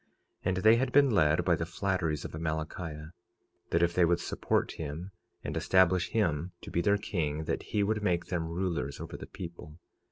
46:5 And they had been led by the flatteries of Amalickiah, that if they would support him and establish him to be their king that he would make them rulers over the people.